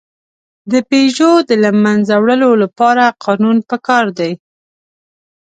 د پيژو د له منځه وړلو لپاره قانون پکار دی.